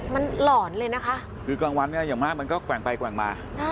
มันหลอนเลยนะคะคือกลางวันเนี่ยอย่างมากมันก็แกว่งไปแกว่งมา